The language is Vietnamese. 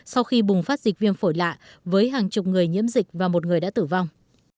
sau khi bùng phát dịch viêm phổi lạ với hàng chục người nhiễm dịch và một người đã tử vong